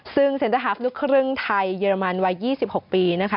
ซึ่งเซ็นเตอร์ฮาฟลูกครึ่งไทยเยอรมันวัย๒๖ปีนะคะ